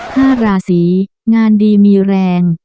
ห้าราศีงานดีมีแรง